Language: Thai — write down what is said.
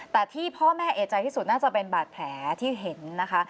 แต่ที่พ่อแม่เอกใจที่สุดน่าจะเป็นบาดแผลที่เห็นนะคะ